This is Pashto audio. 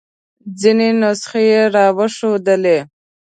ځینې نسخې یې را وښودلې.